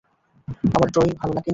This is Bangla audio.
আমার ড্রয়িং ভালো লাগেনি?